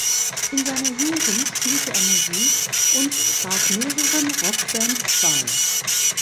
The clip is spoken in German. In seiner Jugend spielte er Musik und trat mehreren Rockbands bei.